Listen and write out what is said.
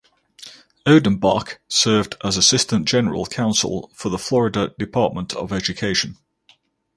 Odenbach served as assistant general counsel for the Florida Department of Education.